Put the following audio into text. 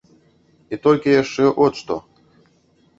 І толькі яшчэ от што.